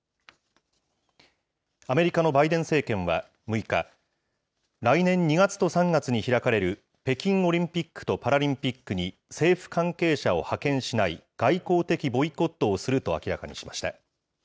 アメリカのバイデン政権は６日、来年２月と３月に開かれる、北京オリンピックとパラリンピックに、政府関係者を派遣しない外交的ボイコットをすると明らかにしました。